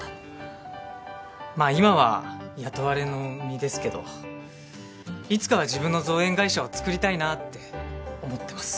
まあ今は雇われの身ですけどいつかは自分の造園会社をつくりたいなって思ってます。